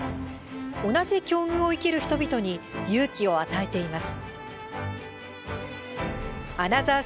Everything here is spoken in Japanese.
同じ境遇を生きる人々に勇気を与えています。